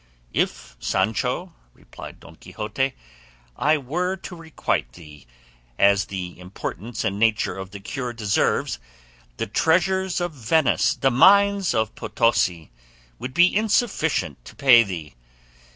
"If Sancho," replied Don Quixote, "I were to requite thee as the importance and nature of the cure deserves, the treasures of Venice, the mines of Potosi, would be insufficient to pay thee.